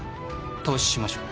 投資しましょう。